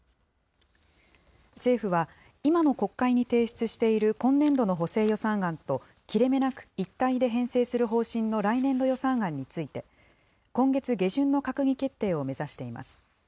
政府は、今の国会に提出している今年度の補正予算案と、切れ目なく一体で編成する方針の来年度予算案について、今月下旬の閣議決定を目指しています。